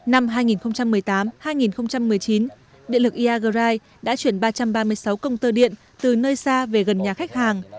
năm hai nghìn một mươi tám hai nghìn một mươi chín điện lực iagrai đã chuyển ba trăm ba mươi sáu công tơ điện từ nơi xa về gần nhà khách hàng